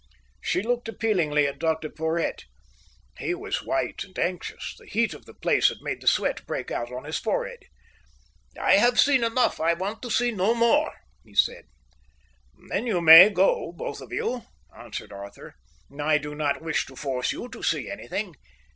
She looked appealingly at Dr Porhoët. He was white and anxious. The heat of that place had made the sweat break out on his forehead. "I have seen enough. I want to see no more," he said. "Then you may go, both of you," answered Arthur. "I do not wish to force you to see anything.